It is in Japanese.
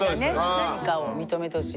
何かを認めてほしい。